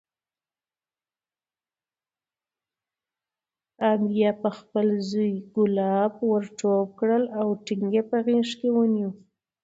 امیه پخپل زوی کلاب ورټوپ کړل او ټینګ یې په غېږ کې ونیو.